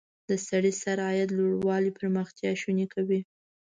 د سړي سر عاید لوړوالی پرمختیا شونې کوي.